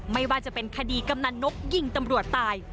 ไม่ว่าจะเป็นคดีกำนันนกยิงตำรวจตาย